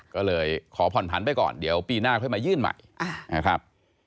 ก็เลยขอผ่อนผันไปก่อนเดี๋ยวปีหน้าค่อยมายื่นใหม่นะครับ